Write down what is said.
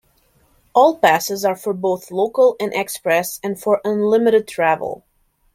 All passes are for both local and express, and for unlimited travel.